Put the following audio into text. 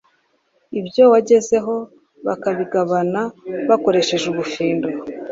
ibyo wagezeho bakabigabana bakoresheje ubufindo